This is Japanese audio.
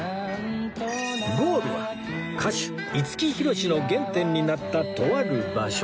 ゴールは歌手五木ひろしの原点になったとある場所